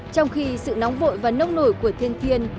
trong khi sự nóng vội và nông nổi của thiên thiên